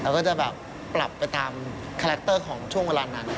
แล้วก็จะแบบปรับไปตามคาแรคเตอร์ของช่วงเวลานั้น